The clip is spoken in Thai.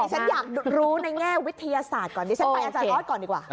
ฉันอยากรู้ในแง่วิทยาศาสตร์ก่อนดิฉันไปอาจารย์ออสก่อนดีกว่า